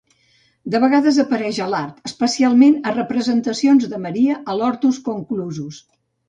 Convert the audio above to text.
De vegades apareix a l'art, especialment a representacions de Maria a l'hortus conclusus.